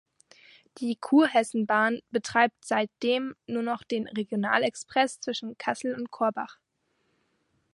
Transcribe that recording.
Die Kurhessenbahn betreibt seitdem nur noch den Regional-Express zwischen Kassel und Korbach.